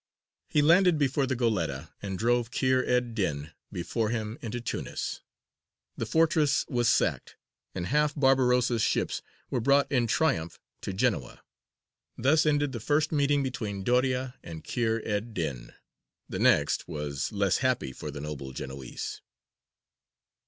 He landed before the Goletta, and drove Kheyr ed dīn before him into Tunis. The fortress was sacked, and half Barbarossa's ships were brought in triumph to Genoa. Thus ended the first meeting between Doria and Kheyr ed dīn: the next was less happy for the noble Genoese.